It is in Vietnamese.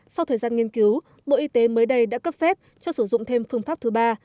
sau thời gian nghiên cứu bộ y tế mới đây đã cấp phép cho sử dụng thêm phương pháp thứ ba